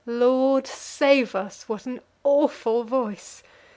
Lord save us, what an awful voice!